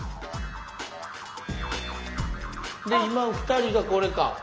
今２人がこれか。